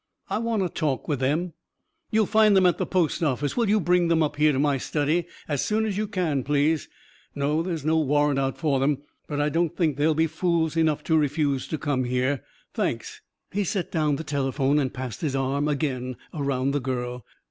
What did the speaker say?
I want a talk with them. You'll find them at the post office. Will you bring them up here to my study? As soon as you can, please? No, there's no warrant out for them. But I don't think they'll be fools enough to refuse to come here. Thanks." He set down the telephone and passed his arm again round the girl.